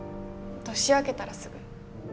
年明けたらすぐ。